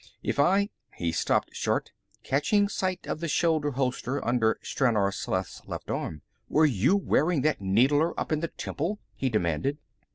If I " He stopped short, catching sight of the shoulder holster under Stranor Sleth's left arm. "Were you wearing that needler up in the temple?" he demanded.